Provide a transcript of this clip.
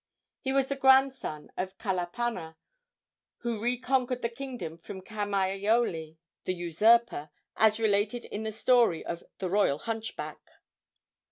He was the grandson of Kalapana, who reconquered the kingdom from Kamaiole, the usurper, as related in the story of "The Royal Hunchback."